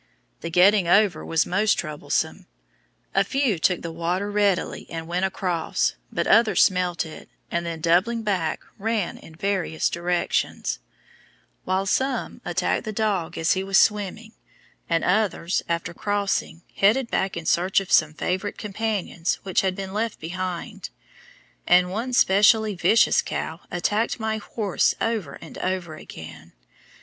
The getting over was most troublesome; a few took to the water readily and went across, but others smelt it, and then, doubling back, ran in various directions; while some attacked the dog as he was swimming, and others, after crossing, headed back in search of some favorite companions which had been left behind, and one specially vicious cow attacked my horse over and over again.